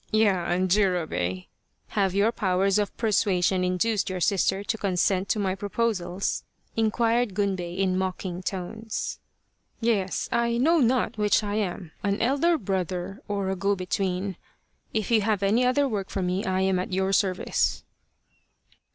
" Ya, Jurobei, have your powers of persuasion in duced your sister to consent to my proposals ?" inquired Gunbei in mocking tones. " Yes, I know not which I am, an elder brother or a 51 The Quest of the Sword go between. If you have any other work for me, I am at your service."